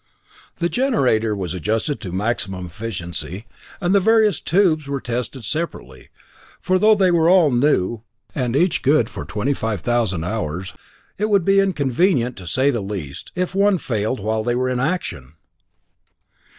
The generator was adjusted to maximum efficiency, and the various tubes were tested separately, for though they were all new, and each good for twenty five thousand hours, it would be inconvenient, to say the least, if one failed while they were in action.